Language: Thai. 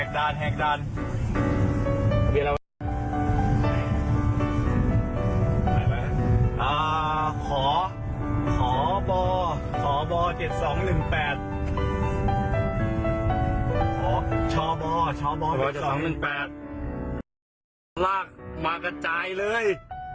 ช้าบอร์เมตร๒๘๐๐ลากมากระจายเลย